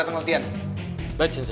ketemu lagi ya enggak ada ketemu lagi